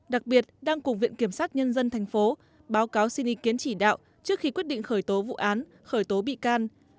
đặc biệt đang cục viện kiểm sát nhân dân tp báo cáo xin ý kiến chỉ đạo trước khi quyết định khởi tố vụ án khởi tố bị can